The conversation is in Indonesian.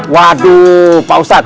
waduh pak ustadz